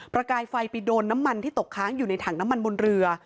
กายไฟไปโดนน้ำมันที่ตกค้างอยู่ในถังน้ำมันบนเรือ